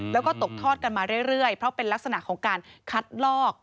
แล้วก็ตกทอดกันมาเรื่อยเพราะเป็นลักษณะของการคัดลอก